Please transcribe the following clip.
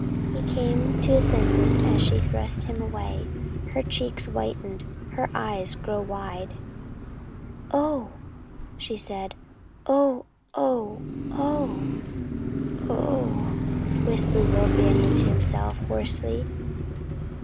He came to his senses as she thrust him away; saw her cheeks whiten, her eyes grow wide. "Oh!" she said. "Oh! Oh! Oh!" "Oh!" whispered Will Banion to himself, hoarsely.